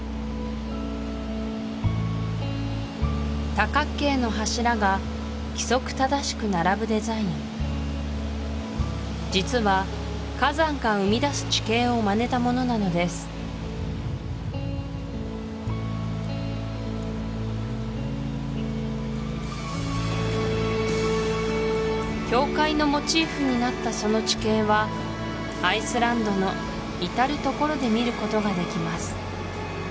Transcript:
多角形の柱が規則正しく並ぶデザイン実は火山が生み出す地形をまねたものなのです教会のモチーフになったその地形はアイスランドの至るところで見ることができます